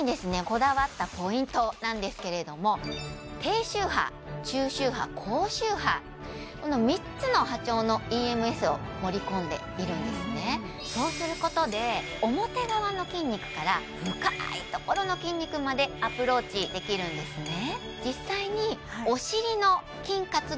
こだわったポイントなんですけれども低周波中周波高周波この３つの波長のＥＭＳを盛り込んでいるんですねそうすることで表側の筋肉から深いところの筋肉までアプローチできるんですね